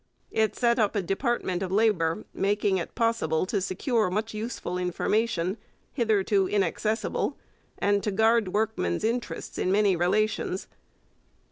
It set up a department of Labour, making it possible to secure much useful information hitherto inaccessible and to guard workmen's interests in many relations.